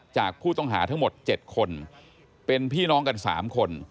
จากผู้ต้องหาทั้งหมด๗คนเป็นพี่น้องกัน๓คน